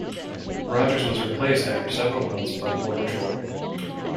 Rogers was replaced after several months by Warner Troyer.